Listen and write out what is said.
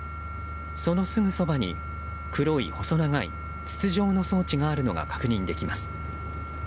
そのすぐそばに、黒い細長い筒状の装置があるのが確認できます。